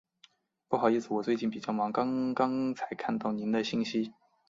不好意思，我最近比较忙，刚刚才看到您的信息。